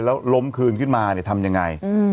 แล้วล้มคืนขึ้นมาทำยังไง